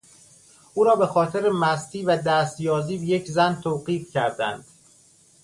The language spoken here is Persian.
او را به خاطر مستی و دست یازی به یک زن توقیف کردند.